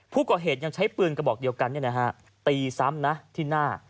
ผู้ก่อเหตุยังใช้ปืนกระบอกเดียวกันตีซ้ำนะที่หน้า